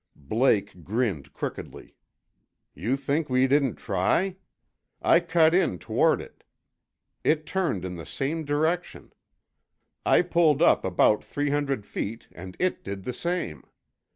Blake grinned crookedly. "You think we didn't try? I cut in toward it. It turned in the same direction. I pulled up about three hundred feet, and it did the same.